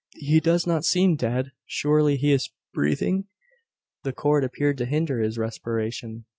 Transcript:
"He does not seem dead. Surely he is breathing?" The cord appeared to hinder his respiration.